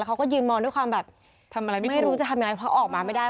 แล้วเขาก็ยืนมอนด้วยความแบบไม่รู้จะทำยังไงเพราะออกมาไม่ได้